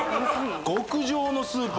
極上のスープ！